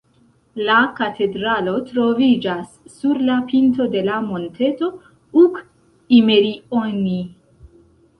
La katedralo troviĝas sur la pinto de la monteto Uk’imerioni.